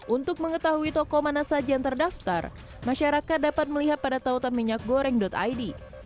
untuk mengetahui toko mana saja yang terdaftar masyarakat dapat melihat pada tautan minyak goreng id